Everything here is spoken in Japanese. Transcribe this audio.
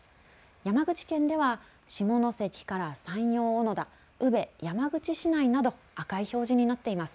山口県では下関から山陽小野田、宇部、山口市内など赤い表示になっています。